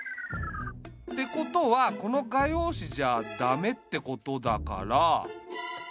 ってことはこの画用紙じゃ駄目ってことだから。